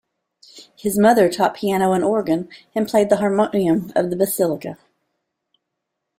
His mother taught piano and organ, and played the harmonium of the Basilica.